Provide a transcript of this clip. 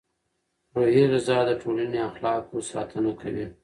روحي غذا د ټولنې اخلاقو ساتنه کوي.